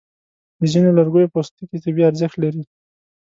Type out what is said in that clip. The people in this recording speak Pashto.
د ځینو لرګیو پوستکي طبي ارزښت لري.